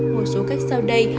một số cách sau đây